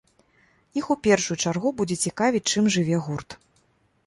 Іх у першую чаргу будзе цікавіць, чым жыве гурт.